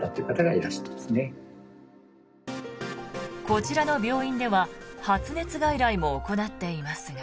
こちらの病院では発熱外来も行っていますが。